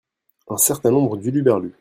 Un certains nombre d'huluberlus.